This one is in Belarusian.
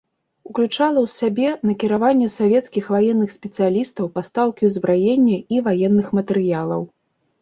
Уключала ў сябе накіраванне савецкіх ваенных спецыялістаў, пастаўкі ўзбраення і ваенных матэрыялаў.